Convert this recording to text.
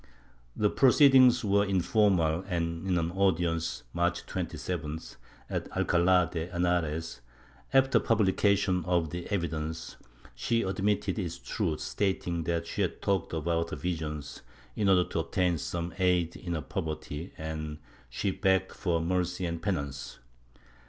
The pro ceedings were informal and, in an audience, March 27th, at Alcala de Henares, after pul^lication of the evidence, she admitted its truth, stating that she had talked about her visions in order to obtain some aid in her poverty and she begged for mercy and penance.